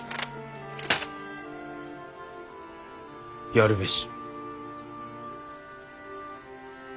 やるべし。